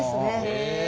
へえ。